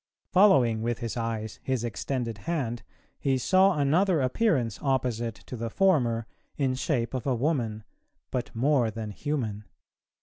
... Following with his eyes his extended hand, he saw another appearance opposite to the former, in shape of a woman, but more than human.